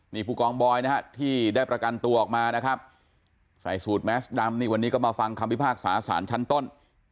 นี่ผู้กองบอยนะฮะที่ได้ประกันตัวออกมานะครับใส่สูตรแมสดำนี่วันนี้ก็มาฟังคำพิพากษาสารชั้นต้น